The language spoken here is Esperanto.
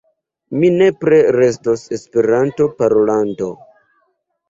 Mi nepre restos Esperanto-parolanto.